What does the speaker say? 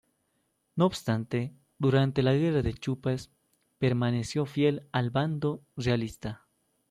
No obstante, durante la Guerra de Chupas, permaneció fiel al bando realista.